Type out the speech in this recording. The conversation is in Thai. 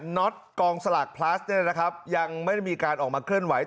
น็อตกองสลากพลัสเนี่ยนะครับยังไม่ได้มีการออกมาเคลื่อนไหว